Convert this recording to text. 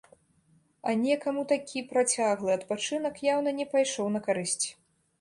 А некаму такі працяглы адпачынак яўна не пайшоў на карысць.